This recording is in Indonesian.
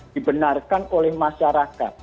dibenarkan oleh masyarakat